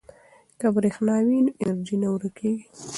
که برښنا وي نو انرژي نه ورکیږي.